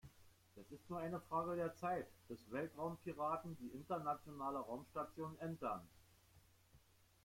Es ist nur eine Frage der Zeit, bis Weltraumpiraten die Internationale Raumstation entern.